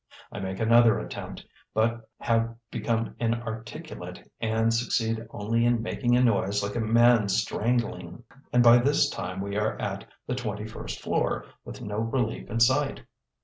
I make another attempt, but have become inarticulate and succeed only in making a noise like a man strangling. And by this time we are at the twenty first floor with no relief in sight.